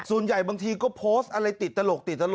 ส่วนใหญ่บางทีก็โพสต์อะไรติดตลก